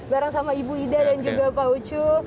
bareng sama ibu ida dan juga pak ucu